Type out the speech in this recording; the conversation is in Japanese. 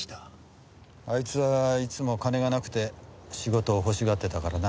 あいつはいつも金がなくて仕事を欲しがってたからな。